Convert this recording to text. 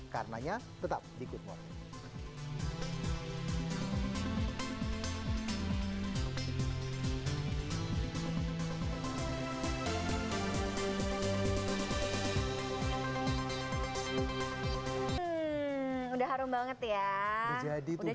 karenanya tetap di good morning